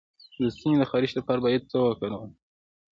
د ستوني د خارش لپاره باید څه وکاروم؟